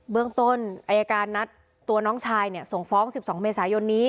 เรื่องต้นอายการนัดตัวน้องชายส่งฟ้อง๑๒เมษายนนี้